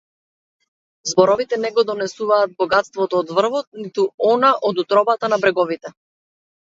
Зборовите не го донесуваат богатството од врвот, ниту она од утробата на бреговите.